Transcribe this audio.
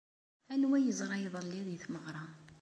Anwa ay yeẓra iḍelli deg tmeɣra?